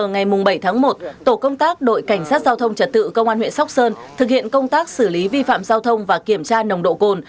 ngày bảy tháng một tổ công tác đội cảnh sát giao thông trật tự công an huyện sóc sơn thực hiện công tác xử lý vi phạm giao thông và kiểm tra nồng độ cồn